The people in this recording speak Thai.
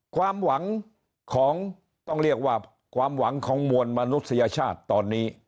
ความหวังของต้องเรียกว่าความหวังของมวลมนุษยชาติตอนนี้